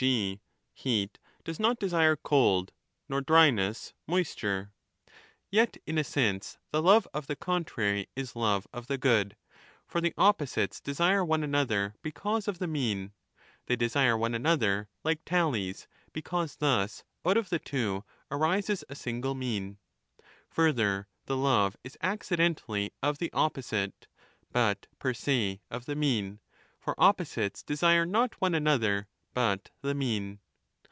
g. heat does not desire cold, nor dryness moisture. Yet in a sense the love of the contrary is love of the good ; for the opposites desire one 30 another because of the mean ; they desire one another like tallies because thus out of the two arises a single mean. Further, the love is accidentally of the opposite, but per se of the mean, for opposites desire not one another but the mean.